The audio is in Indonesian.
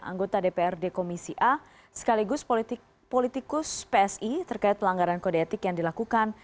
anggota dprd komisi a sekaligus politikus psi terkait pelanggaran kode etik yang dilakukan